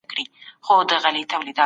د بدن قوت لپاره شات وخورئ.